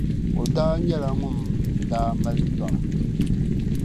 o daa nyɛla ŋun daa mali lɔra.